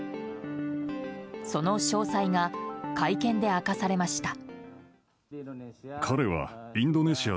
その詳細が会見で明かされました。